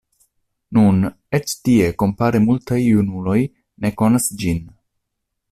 Nun, eĉ tie kompare multaj junuloj ne konas ĝin.